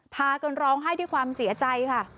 พากันร้องไห้ด้วยความเสียใจค่ะ